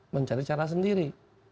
mencari cara sendiri